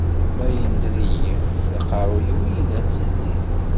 Ma yender-iyi, d aqerru-w i yedhen s zzit.